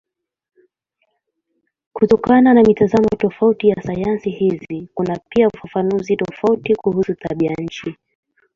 Kutokana na mitazamo tofauti ya sayansi hizi kuna pia ufafanuzi tofauti kuhusu tabianchi.